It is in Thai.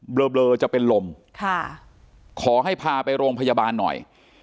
เบลอจะเป็นลมค่ะขอให้พาไปโรงพยาบาลหน่อย